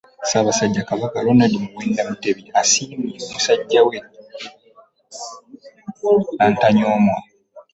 Ssaabassajja Kabaka, Ronald Muwenda Mutebi asiimye musajja we nnantanyoomwa.